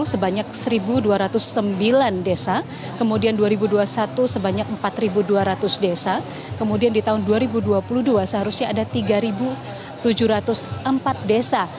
sebanyak satu dua ratus sembilan desa kemudian dua ribu dua puluh satu sebanyak empat dua ratus desa kemudian di tahun dua ribu dua puluh dua seharusnya ada tiga tujuh ratus empat desa